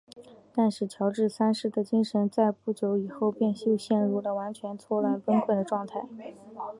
但是乔治三世的精神在不久以后便又陷入了完全错乱崩溃的状态。